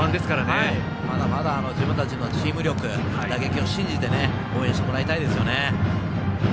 まだまだ自分たちのチーム力打撃を信じて応援してもらいたいですよね。